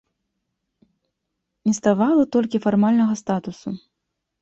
Не ставала толькі фармальнага статусу.